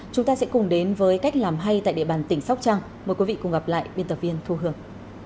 chúng ta sẽ cùng đến với cách làm hay tại địa bàn tỉnh sóc trăng mời quý vị cùng gặp lại biên tập viên thu hương